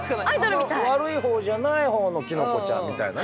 悪いほうじゃないほうのキノコちゃんみたいなね。